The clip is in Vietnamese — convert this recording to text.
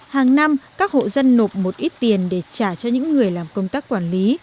hàng năm các hộ dân nộp một ít tiền để trả cho những người làm công tác quản lý